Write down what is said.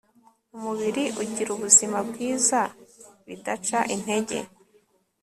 umubiri ugira ubuzima bwiza bidaca intege